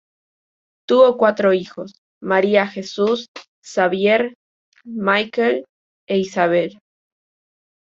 Tuvo cuatro hijos: María Jesús, Xabier, Mikel e Isabel.